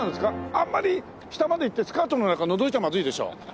あんまり下まで行ってスカートの中のぞいちゃまずいでしょ？